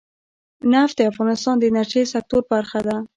نفت د افغانستان د انرژۍ سکتور برخه ده.